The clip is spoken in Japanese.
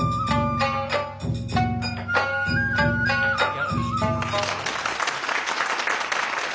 よろしく。